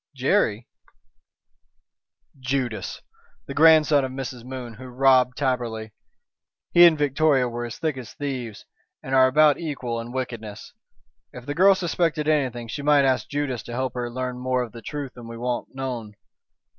"Jerry?" "Judas. The grandson of Mrs. Moon who robbed Taberley. He and Victoria were as thick as thieves, and are about equal in wickedness. If the girl suspected anything she might ask Judas to help her to learn more of the truth than we want known.